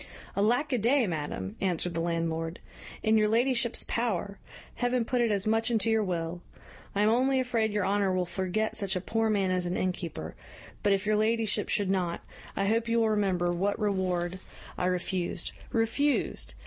"Alack a day, madam!" answered the landlord; "in your ladyship's power! Heaven put it as much into your will! I am only afraid your honour will forget such a poor man as an innkeeper; but, if your ladyship should not, I hope you will remember what reward I refused refused!